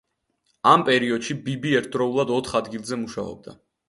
ამ პერიოდში ბიბი ერთდროულად ოთხ ადგილზე მუშაობდა.